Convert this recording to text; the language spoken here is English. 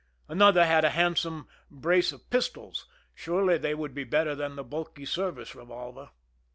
Another had a handsome brace of pistols : surely they would be better than the bulky service re ) volver.